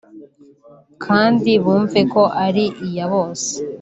kandi bumve ko ari iya bose